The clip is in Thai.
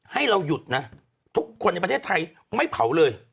ให้เราหยุดนะทุกคนในประเทศไทยไม่เผาเลย